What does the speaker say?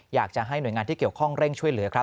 อยากจะให้หน่วยงานที่เกี่ยวข้องเร่งช่วยเหลือครับ